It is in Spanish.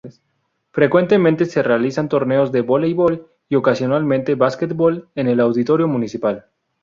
Frecuentemente se realizan torneos de Voleibol y ocasionalmente basquetbol en el auditorio municipal.